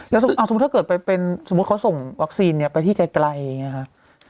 แล้วสมมุติถ้าเกิดไปเป็นสมมุติเขาส่งวัคซีนไปที่ไกลอย่างนี้ค่ะ